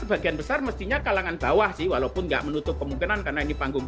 sebagian besar mestinya kalangan bawah sih walaupun nggak menutup kemungkinan karena ini panggung